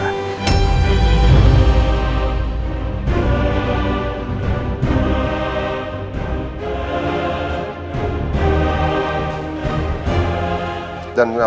saya ingin mencari kebenaran